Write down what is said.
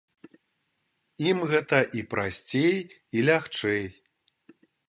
Ім гэта і прасцей, і лягчэй.